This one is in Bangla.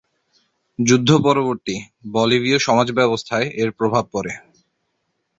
যুদ্ধ-পরবর্তী বলিভীয় সমাজব্যবস্থায় এর প্রভাব পড়ে।